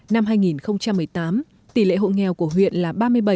năm hai nghìn một mươi tám tỷ lệ hộ nghèo của huyện là ba mươi bảy